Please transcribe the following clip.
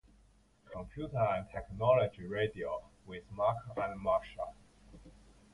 Computer and Technology Radio with Marc and Marsha.